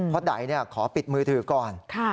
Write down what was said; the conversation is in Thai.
เพราะใดขอปิดมือถือก่อน